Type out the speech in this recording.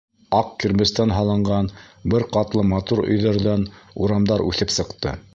Аҡ кирбестән һалынған бер ҡатлы матур өйҙәрҙән урамдар үҫеп сыҡты.